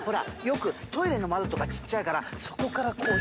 よくトイレの窓とかちっちゃいからそこからこう。